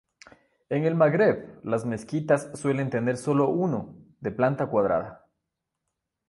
En el Magreb las mezquitas suelen tener solo uno, de planta cuadrada.